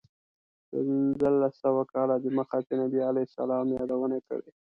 پنځلس سوه کاله دمخه چې نبي علیه السلام یادونه کړې.